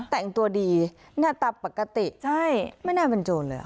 แต่งตัวดีหน้าตาปกติใช่ไม่น่าเป็นโจรเลย